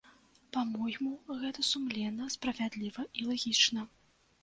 Па-мойму, гэта сумленна, справядліва і лагічна.